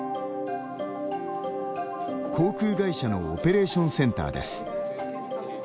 航空会社のオペレーションセンターです。